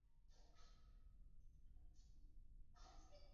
但此调查结果遭到质疑。